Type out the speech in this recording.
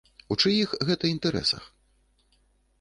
У чыіх гэта інтарэсах?